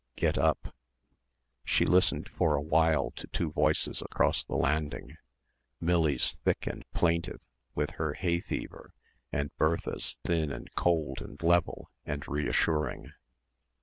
"Get up." She listened for a while to two voices across the landing. Millie's thick and plaintive with her hay fever and Bertha's thin and cold and level and reassuring....